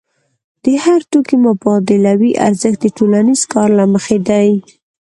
د هر توکي مبادلوي ارزښت د ټولنیز کار له مخې دی.